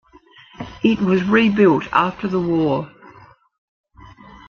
It was rebuilt after the war.